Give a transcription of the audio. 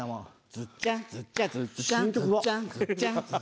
「ズッチャンズッチャン」新曲だよ？